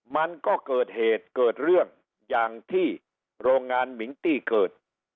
มันก็เกิดเหตุเกิดเรื่องอย่างที่โรงงานมิงตี้เกิด